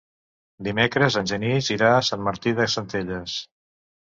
Dimecres en Genís irà a Sant Martí de Centelles.